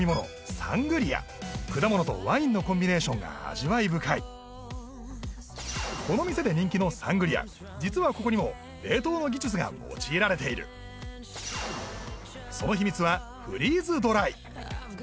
サングリア果物とワインのコンビネーションが味わい深いこの店で人気のサングリア用いられているその秘密はフリーズドライ